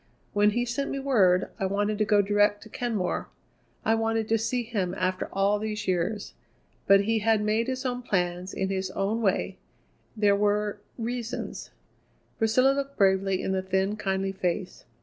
"When he sent me word, I wanted to go direct to Kenmore; I wanted to see him after all these years. But he had made his own plans in his own way. There were reasons." Priscilla looked bravely in the thin, kindly face.